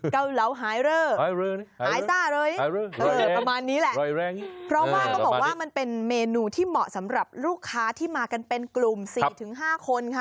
เกาเหลาไฮเรอร์ไฮซ่าเลยประมาณนี้แหละเพราะว่าเขาบอกว่ามันเป็นเมนูที่เหมาะสำหรับลูกค้าที่มากันเป็นกลุ่ม๔๕คนค่ะ